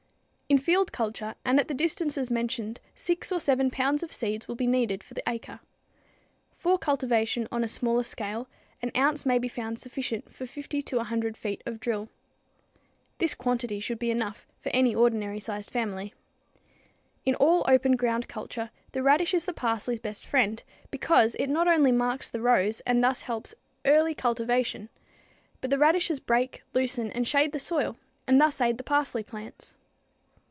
In field culture and at the distances mentioned six or seven pounds of seed will be needed for the acre. For cultivation on a smaller scale an ounce may be found sufficient for 50 to 100 feet of drill. This quantity should be enough for any ordinary sized family. In all open ground culture the radish is the parsley's best friend, because it not only marks the rows, and thus helps early cultivation, but the radishes break, loosen and shade the soil and thus aid the parsley plants.